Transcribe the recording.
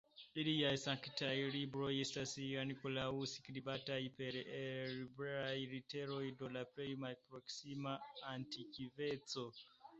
Iliaj sanktaj libroj estas ankoraŭ skribataj per hebreaj literoj de la plej malproksima antikveco.